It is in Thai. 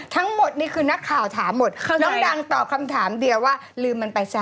ทั้งหมดนี่คือนักข่าวถามหมดน้องดังตอบคำถามเดียวว่าลืมมันไปซะ